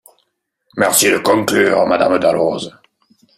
Merci de conclure, Madame Dalloz.